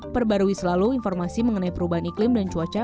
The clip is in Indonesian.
perbarui selalu informasi mengenai perubahan iklim dan cuaca